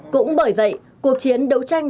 cũng bởi vậy cuộc chiến đấu tranh